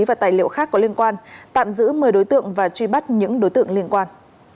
và tài liệu khác có liên quan tạm giữ một mươi đối tượng và truy bắt những đối tượng liên quan